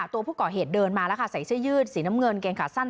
ตัวผู้ก่อเหตุเดินมาแล้วค่ะใส่เสื้อยืดสีน้ำเงินเกงขาสั้น